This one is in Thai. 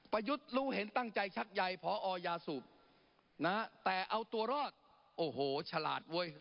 ประยุทธ์รู้เห็นตั้งใจชักใยพอยาสูบนะแต่เอาตัวรอดโอ้โหฉลาดเว้ย